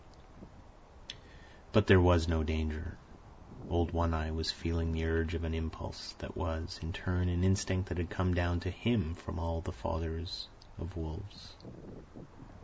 But there was no danger. Old One Eye was feeling the urge of an impulse, that was, in turn, an instinct that had come down to him from all the fathers of wolves.